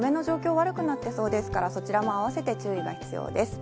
悪くなってそうですから、そちらも併せて注意が必要です。